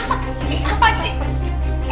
apa sih apa sih